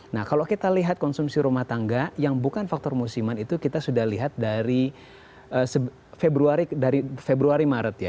nah kalau kita lihat konsumsi rumah tangga yang bukan faktor musiman itu kita sudah lihat dari februari maret ya